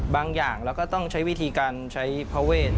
อย่างเราก็ต้องใช้วิธีการใช้พระเวท